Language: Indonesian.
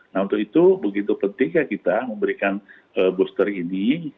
nah untuk itu begitu penting ya kita memberikan booster ini